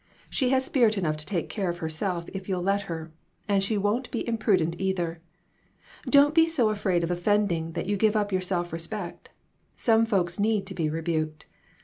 She has spirit enough to take care of herself if you'll let her, and she won't be impru dent, either. Don't be so afraid of offending that you give up your self respect. Some folks need to be rebuked.